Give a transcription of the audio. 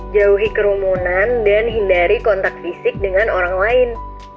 jauhi kerumunan dan hindari kontak fisik dengan orang lain